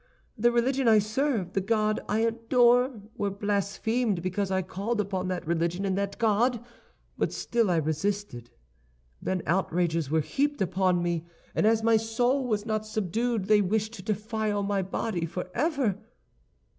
The religion I serve, the God I adore, were blasphemed because I called upon that religion and that God, but still I resisted. Then outrages were heaped upon me, and as my soul was not subdued they wished to defile my body forever.